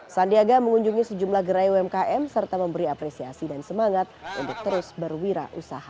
sandiaga mengunjungi sejumlah gerai umkm serta memberi apresiasi dan semangat untuk terus berwirausaha